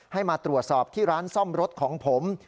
ให้มาตรวจสอบที่ร้านซ่อมรถของผม